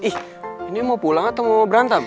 ih ini mau pulang atau mau berantem